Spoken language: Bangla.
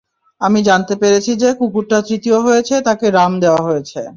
আমরা জানতে পেরেছি যে কুকুরটা তৃতীয় হয়েছে তাকে রাম দেওয়া হয়েছে।